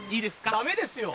ダメですよ。